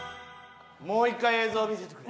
もう１回映像を見せてくれ。